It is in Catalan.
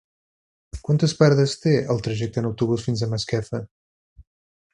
Quantes parades té el trajecte en autobús fins a Masquefa?